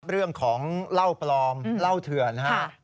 เรื่องของเหล้าปลอมเหล้าเถื่อนนะครับ